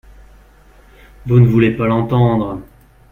Vous ne voulez pas l’entendre.